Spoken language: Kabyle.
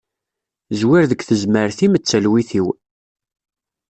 Zwir deg tezmert-im d talwit-iw.